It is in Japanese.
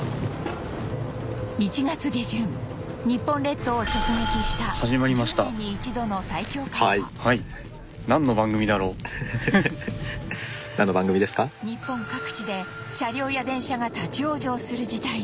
１月下旬日本列島を直撃した日本各地で車両や電車が立ち往生する事態に